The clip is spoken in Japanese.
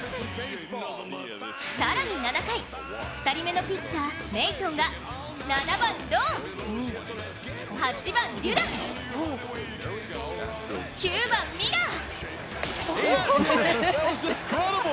更に７回、２人目のピッチャー、メイトンが７番・ロー、８番・デュラン、９番・ミラー。